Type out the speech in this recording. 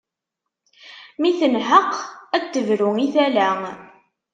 Mi tenheq a d-tebru i tala.